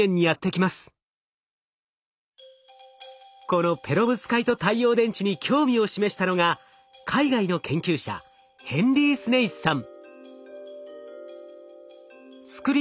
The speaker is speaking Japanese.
このペロブスカイト太陽電池に興味を示したのが海外の研究者ヘンリー・スネイスさん。